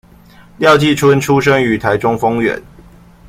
廖繼春出生於台中豐原